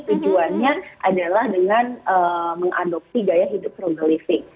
tujuannya adalah dengan mengadopsi gaya hidup frugal living